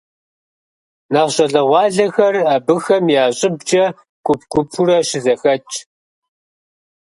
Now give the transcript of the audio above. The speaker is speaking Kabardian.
Нэхъ щӏалэгъуалэхэр абыхэм я щӏыбкӏэ гуп-гупурэ щызэхэтщ.